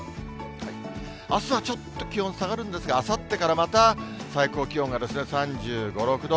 あすはちょっと気温下がるんですが、あさってからまた、最高気温が３５、６度。